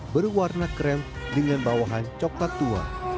berwarna krem dengan bawahan coklat tua